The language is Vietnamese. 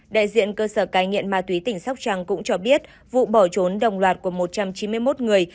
đại diện cơ sở cai nghiện ma túy tỉnh sóc trăng cũng cho biết vụ bỏ trốn đồng loạt của một trăm chín mươi một người